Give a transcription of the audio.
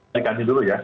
saya kandil dulu ya